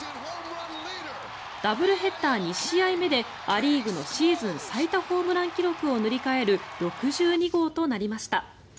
ダブルヘッダー２試合目でア・リーグのシーズン最多ホームラン記録を塗り替える６２号となりました。